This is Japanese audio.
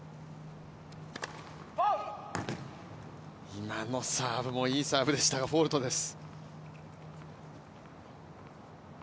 今のサーブもいいサーブでしたがフォルトです。